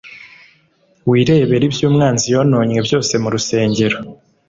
wirebere ibyo umwanzi yononnye byose mu rusengero